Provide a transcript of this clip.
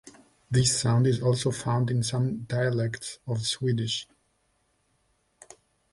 This sound is also found in some dialects of Swedish.